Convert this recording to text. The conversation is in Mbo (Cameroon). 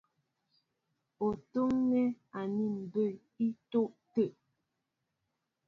Ó tuŋɛ́ áni mbə̌ í tɔ̌ tə́ə́.